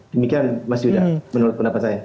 demikian mas yuda menurut pendapat saya